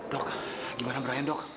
dok gimana brian dok